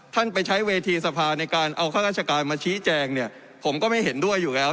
ไปใช้เวทีสภาในการเอาข้าราชการมาชี้แจงเนี่ยผมก็ไม่เห็นด้วยอยู่แล้ว